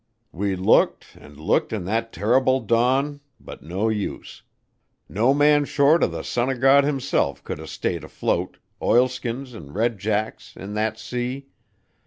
We looked and looked in that terrible dawn, but no use no man short o' the Son o' God himself could a' stayed afloat, oilskins and red jacks, in that sea.